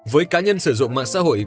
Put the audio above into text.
với cá nhân sử dụng mạng xã hội